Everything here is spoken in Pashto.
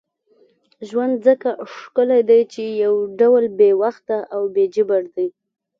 ژوند ځکه ښکلی دی چې یو ډول بې وخته او جبر دی.